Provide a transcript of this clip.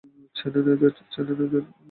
চেনেন এদের?